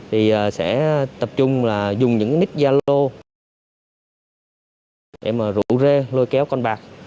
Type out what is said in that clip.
thì sẽ tập trung là dùng những nick zalo để mà rủ rê lôi kéo con bạc